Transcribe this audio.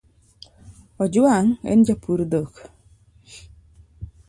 Ojwang en japur dhok